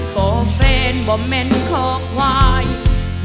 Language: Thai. เพราะเฟรนบ่มันคอกไหว